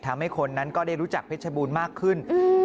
ทำให้คนนั้นก็ได้รู้จักเพชรบูรณ์มากขึ้น